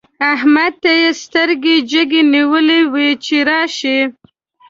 احمد ته يې سترګې جګې نيولې وې چې راشي.